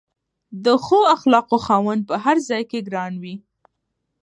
د ښو اخلاقو خاوند په هر ځای کې ګران وي.